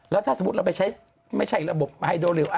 แล้วถ้าสมมุติเราไปใช้ไม่ใช่ระบบไฮโดริว